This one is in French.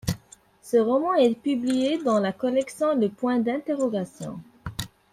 Ce roman est publié dans la collection Le Point d'interrogation.